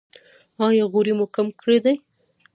ایا غوړي مو کم کړي دي؟